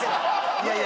いやいや。